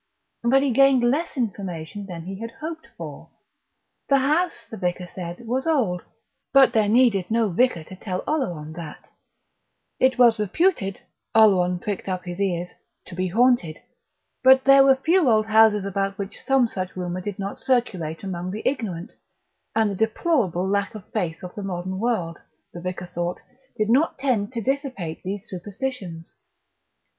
But he gained less information than he had hoped for. The house, the vicar said, was old but there needed no vicar to tell Oleron that; it was reputed (Oleron pricked up his ears) to be haunted but there were few old houses about which some such rumour did not circulate among the ignorant; and the deplorable lack of Faith of the modern world, the vicar thought, did not tend to dissipate these superstitions.